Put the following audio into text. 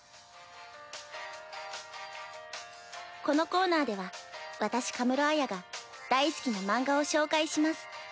このコーナーでは私神室絢が大好きな漫画を紹介します。